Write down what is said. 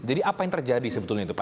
jadi apa yang terjadi sebetulnya itu pak